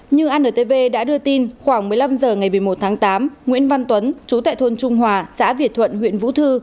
như antv đã đưa tin khoảng một mươi năm h ngày một mươi một tháng tám nguyễn văn tuấn chú tại thôn trung hòa xã việt thuận huyện vũ thư